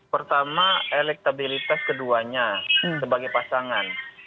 pertama elektabilitas keduanya sebagai pasangan